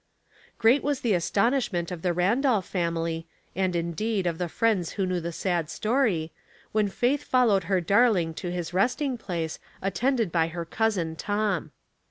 Great was the astonishment of the Randolph family, and, indeed, of the friends who knew the sad story, when Faith followed her darling to his resting place, attended by her cousin Tom.